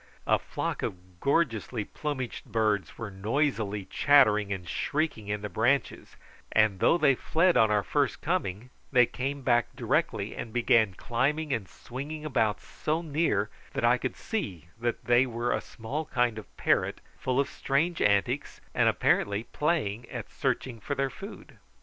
A flock of gorgeously plumaged birds were noisily chattering and shrieking in the branches, and though they fled on our first coming, they came back directly and began climbing and swinging about so near that I could see that they were a small kind of parrot, full of strange antics, and apparently playing at searching for their food.